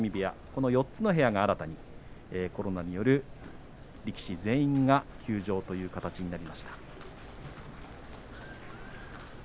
この４つの部屋が新たにコロナによる力士全員が休場という形になりました。